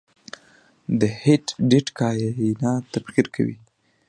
د هیټ ډیت کائنات تبخیر کوي.